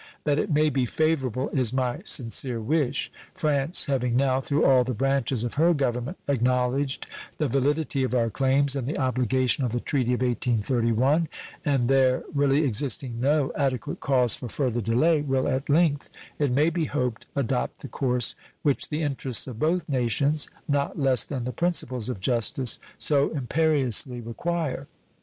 That it may be favorable is my sincere wish. France having now, through all the branches of her Government, acknowledged the validity of our claims and the obligation of the treaty of 1831, and there really existing no adequate cause for further delay, will at length, it may be hoped, adopt the course which the interests of both nations, not less than the principles of justice, so imperiously require.